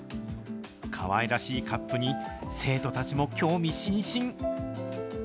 かわいらしいカップに、生徒たちも興味津々。